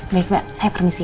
baik mba saya permisi ya